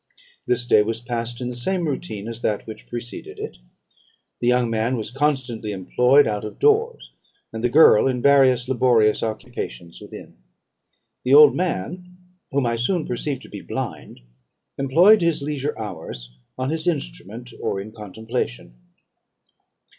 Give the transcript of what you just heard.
"This day was passed in the same routine as that which preceded it. The young man was constantly employed out of doors, and the girl in various laborious occupations within. The old man, whom I soon perceived to be blind, employed his leisure hours on his instrument or in contemplation.